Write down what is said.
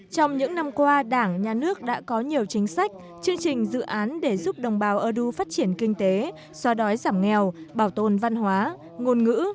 trong những năm qua đảng nhà nước đã có nhiều chính sách chương trình dự án để giúp đồng bào ơ đu phát triển kinh tế xoa đói giảm nghèo bảo tồn văn hóa ngôn ngữ